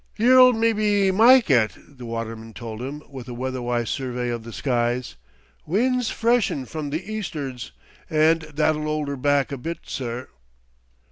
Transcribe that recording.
"Yer'll mebbe myke it," the waterman told him with a weatherwise survey of the skies. "Wind's freshenin' from the east'rds, an' that'll 'old 'er back a bit, sir."